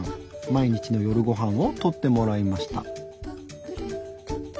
毎日の夜ごはんを撮ってもらいました。